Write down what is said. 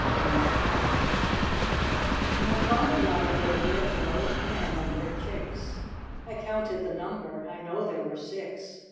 I N' a farm yard there lived an old hen and her chicks ; I counted the number ; I know there were six.